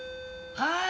はい。